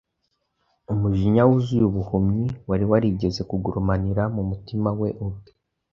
Umujinya wuzuye ubuhumyi wari warigeze kugurumanira mu mutima we ubwe